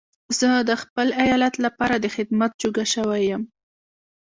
زه د خپل ايالت لپاره د خدمت جوګه شوی يم.